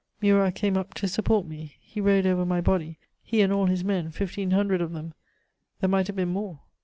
Murat came up to support me. He rode over my body, he and all his men, fifteen hundred of them there might have been more!